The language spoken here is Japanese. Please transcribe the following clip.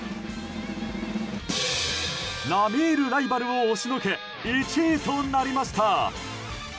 並みいるライバルを押しのけ１位となりました！